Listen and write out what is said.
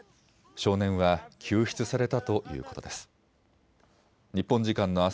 少年は救出されたということです。